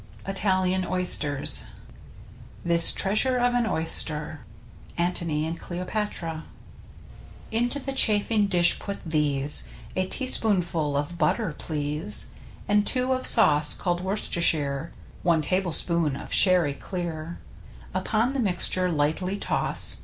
ITALIAN OYSTERS This treasure of an oyster. — Antony and Cleopatra. Into the chafing dish put these: A teaspoonful of butter, please, And two of sauce called Worcestershire; One tablespoon of sherry clear Upon this mixture lightly toss.